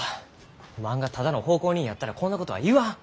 おまんがただの奉公人やったらこんなことは言わん。